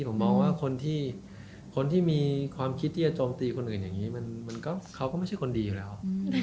ผมมองว่าคนที่มีความคิดที่จะโจมตีคนอื่นอย่างนี้เขาก็ไม่ใช่คนดีอยู่แล้ว